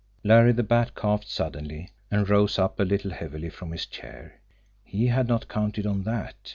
Larry the Bat coughed suddenly, and rose up a little heavily from his chair. He had not counted on that!